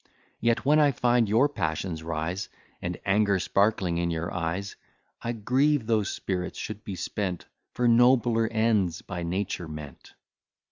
Yet, when I find your passions rise, And anger sparkling in your eyes, I grieve those spirits should be spent, For nobler ends by nature meant.